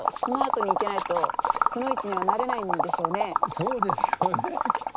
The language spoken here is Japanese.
そうですよねきっと。